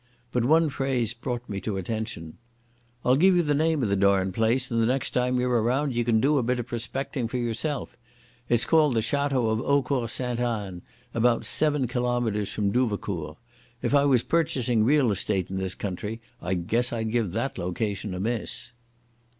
But one phrase brought me to attention. "I'll give you the name of the darned place, and next time you're around you can do a bit of prospecting for yourself. It's called the Château of Eaucourt Sainte Anne, about seven kilometres from Douvecourt. If I was purchasing real estate in this country I guess I'd give that location a miss."